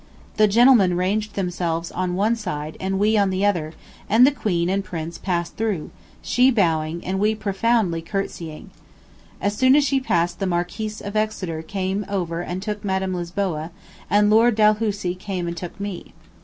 The gentlemen ranged themselves on one side, and we on the other, and the Queen and Prince passed through, she bowing, and we profoundly curtseying. As soon as she passed the Marquis of Exeter came over and took Madam Lisboa, and Lord Dalhousie came and took me.